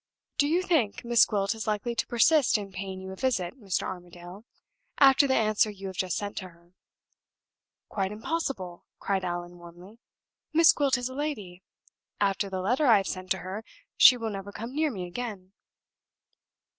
Do you think Miss Gwilt is likely to persist in paying you a visit, Mr. Armadale, after the answer you have just sent to her?" "Quite impossible!" cried Allan, warmly. "Miss Gwilt is a lady; after the letter I have sent to her, she will never come near me again."